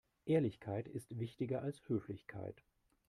Ehrlichkeit ist wichtiger als Höflichkeit.